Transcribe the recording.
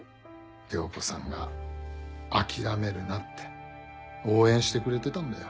涼子さんが諦めるなって応援してくれてたんだよ。